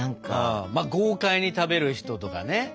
まあ豪快に食べる人とかね。